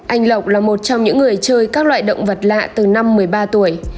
anh lộc là một trong những người chơi các loại động vật lạ từ năm một mươi ba tuổi